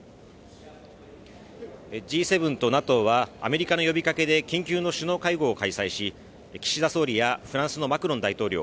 Ｇ７とＮＡＴＯはアメリカの呼びかけで緊急の首脳会合を開催し岸田総理やフランスのマクロン大統領